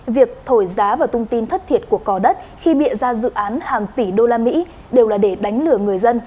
việc thổi giá và thông tin thất thiệt của cò đất khi bịa ra dự án hàng tỷ usd đều là để đánh lừa người dân